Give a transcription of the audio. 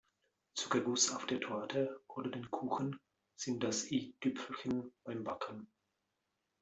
Zuckerguss auf der Torte oder den Kuchen sind das I-Tüpfelchen beim Backen.